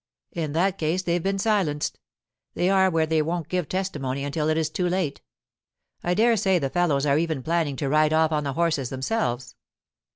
'In that case they've been silenced; they are where they won't give testimony until it is too late. I dare say the fellows are even planning to ride off on the horses themselves.